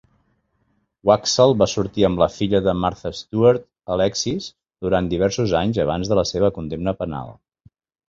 Waksal va sortir amb la filla de Martha Stewart, Alexis, durant diversos anys abans de la seva condemna penal.